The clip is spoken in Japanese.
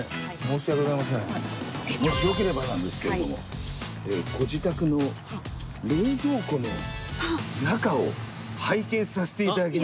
もしよければなんですけれどもご自宅の冷蔵庫の中を拝見させて頂けないかと。